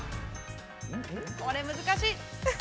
これ難しい。